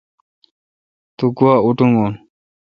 تو گوا اتونگون۔